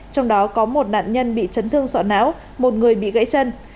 trong đó có một nạn nhân bị chấn thương sọ não một người bị gãy chân